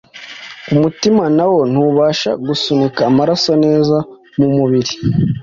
umutima nawo ntubasha gusunika amaraso neza mu mubiri,